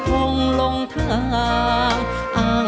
จะใช้หรือไม่ใช้ครับ